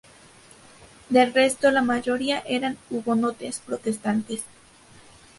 Del resto la mayoría eran hugonotes protestantes.